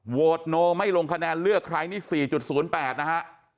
โนไม่ลงคะแนนเลือกใครนี่๔๐๘นะฮะ